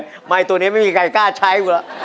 แบบอันตัวนี้ไม่มีใครใกล้ใช้